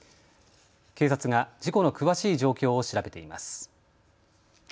警察が事故の詳しい状況を調べています。